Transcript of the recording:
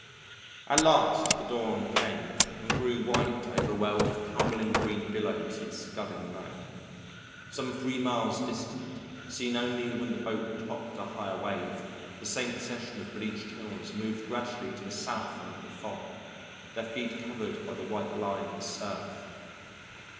At last the dawn came and grew white over a world of tumbling green billows and scudding wrack. Some three miles distant, seen only when the boat topped a higher wave, the same procession of bleached hills moved gradually to the south under the fog, their feet covered by the white line of the surf.